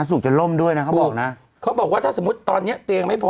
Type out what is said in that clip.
พี่คุณหมอเขาบอกว่าโอเคตอนนี้เตียงไม่พอ